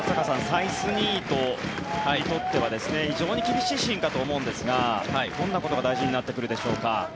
サイスニードにとっては非常に厳しいシーンかと思うんですがどんなことが大事になってくるでしょうか。